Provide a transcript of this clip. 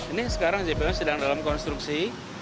ini sekarang jpu sedang dalam konstruksi